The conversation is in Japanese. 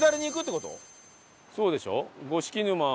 そうでしょ？